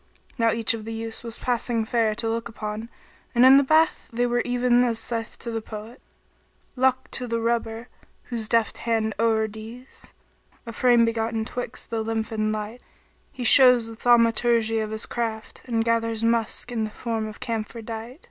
Now each of the youths was passing fair to look upon, and in the bath they were even as saith the poet, "Luck to the Rubber, whose deft hand o'erdies * A frame begotten twixt the lymph and light:[FN#17] He shows the thaumaturgy of his craft, * And gathers musk in form of camphor dight."